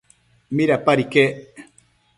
¿midapad iquec?